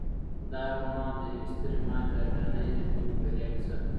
دا رومان د یوې سترې ماتې او بیا نه هیریدونکې بریا کیسه ده.